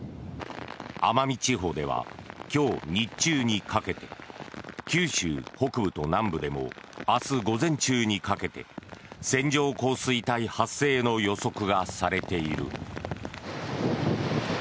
奄美地方では今日日中にかけて九州北部と南部でも明日午前中にかけて線状降水帯発生の予測がされている。